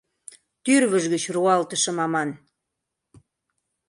Тӱрвыж гыч руалтышым аман...